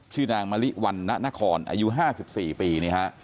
ชื่อนางมะลิวัลน์ณคอนอายุ๕๔ปี